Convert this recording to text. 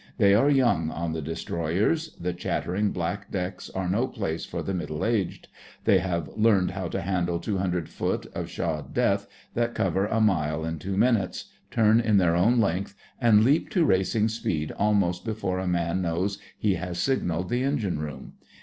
They are young on the destroyers—the chattering black decks are no place for the middle aged—they have learned how to handle 200ft. of shod death that cover a mile in two minutes, turn in their own length, and leap to racing speed almost before a man knows he has signalled the engine room.